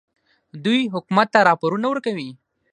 دوی حکومت ته راپورونه ورکوي.